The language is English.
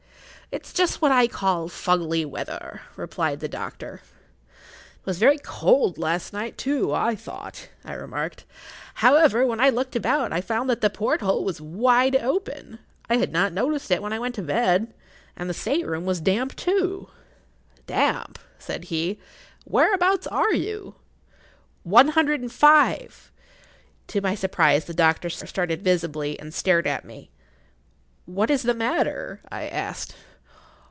"It's just what I call fuggly weather," replied the doctor. "It was very cold last night, I thought," I remarked. "However, when I looked about, I found that the porthole was wide open. I had not noticed it when I went to bed. And the state room was damp, too." "Damp!" said he. "Whereabouts are you?" "One hundred and five——"[Pg 25] To my surprise the doctor started visibly, and stared at me. "What is the matter?" I asked.